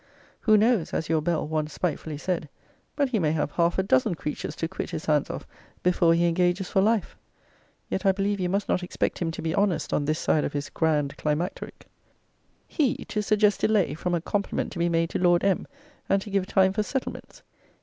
Who knows, as your Bell once spitefully said, but he may have half a dozen creatures to quit his hands of before he engages for life? Yet I believe you must not expect him to be honest on this side of his grand climacteric. He, to suggest delay from a compliment to be made to Lord M. and to give time for settlements!